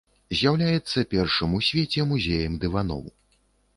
З'яўляецца першым у свеце музеем дываноў.